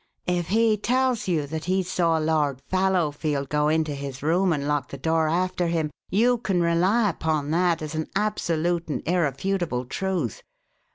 If he tells you that he saw Lord Fallowfield go into his room and lock the door after him, you can rely upon that as an absolute and irrefutable truth.